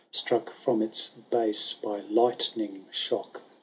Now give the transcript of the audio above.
Struck from its Vase hj lightning shock.